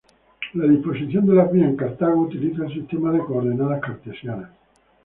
La disposición de las vías en Cartago utiliza el sistema de coordenadas cartesianas.